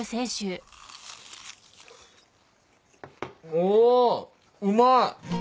おうまい！